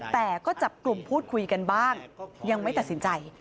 แต่ก็จับกลุ่มพูดคุยกันบ้างยังไม่ตัดสินใจ